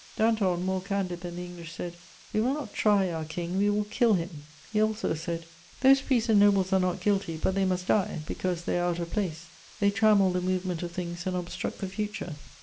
Danton, more candid than the English, said: "We will not try our King, we will kill him." He also said: "Those priests and nobles are not guilty, but they must die, because they are out of place; they trammel the movement of things and obstruct the future."